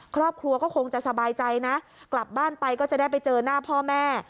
ครอบครัวก็คงจะสบายใจนะกลับบ้านไปก็จะได้ไปเจอหน้าพ่อแม่